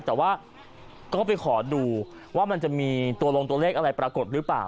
แต่ว่าก็ไปขอดูว่ามันจะมีตัวลงตัวเลขอะไรปรากฏหรือเปล่า